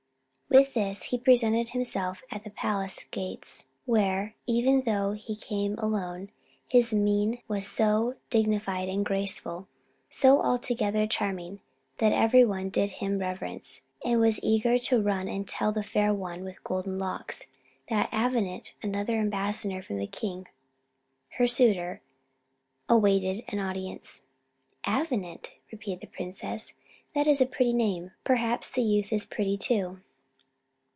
With this he presented himself at the palace gates, where, even though he came alone, his mien was so dignified and graceful, so altogether charming, that every one did him reverence, and was eager to run and tell the Fair One with Golden Locks, that Avenant another ambassador from the king her suitor, awaited an audience. "Avenant!" repeated the princess, "That is a pretty name; perhaps the youth is pretty too."